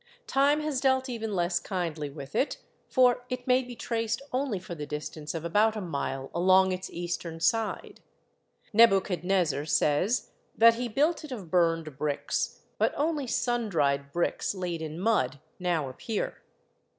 Time has dealt even less kindly with it, for it may be traced only for the distance of about a mile along its eastern side. Nebuchadnezzar says that he built it of burned bricks, but only sun dried bricks laid in mud now appear.